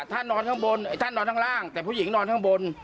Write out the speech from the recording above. นอนข้างบนท่านนอนข้างล่างแต่ผู้หญิงนอนข้างบน